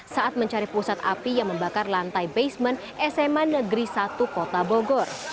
saat mencari pusat api yang membakar lantai basement sma negeri satu kota bogor